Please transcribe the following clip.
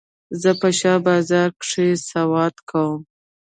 زه په شاه بازار کښي سودا کوم.